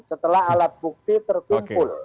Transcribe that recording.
setelah alat bukti tertumpul